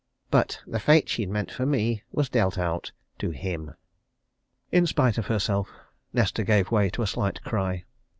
But the fate she'd meant for me was dealt out to him!" In spite of herself Nesta gave way to a slight cry.